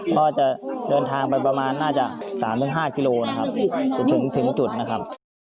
ก็จะเดินทางไปประมาณน่าจะ๓๕กิโลนะครับจนถึงจุดนะครับ